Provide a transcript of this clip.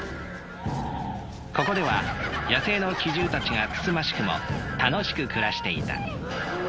ここでは野生の奇獣たちがつつましくも楽しく暮らしていた。